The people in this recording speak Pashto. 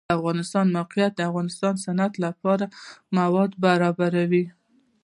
د افغانستان د موقعیت د افغانستان د صنعت لپاره مواد برابروي.